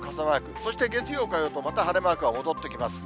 そして月曜、火曜とまた晴れマークが戻ってきます。